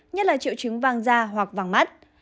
nhất là triệu chứng vàng da hoặc vàng mắt